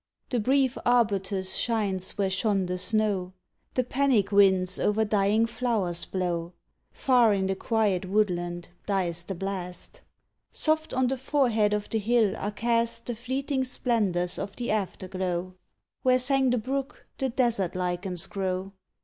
The brief arbutus shines where shone the snow; The panic winds o er dying flowers blow; Far in the quiet woodland dies the blast. Soft on the forehead of the hill are cast The fleeting splendors of the afterglow; Where sang the brook the desert lichens grow.